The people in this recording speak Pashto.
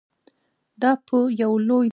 دا پـه يـو لـوى نـاوريـن بـدليږي.